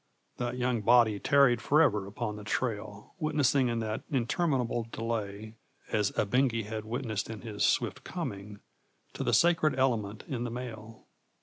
That young body tarried forever upon the trail, witnessing in that interminable delay as Ebengé had witnessed in his swift coming to the sacred element in the mail.